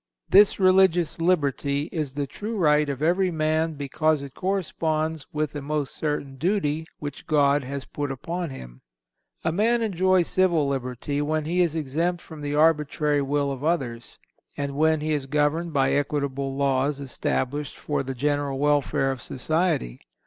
This religious liberty is the true right of every man because it corresponds with a most certain duty which God has put upon him. A man enjoys civil liberty when he is exempt from the arbitrary will of others, and when he is governed by equitable laws established for the general welfare of society.